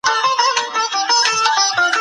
د نکاح اړوند عجله او تلوار کول مو پښيمانوي!